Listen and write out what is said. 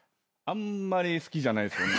あんまり好きじゃないです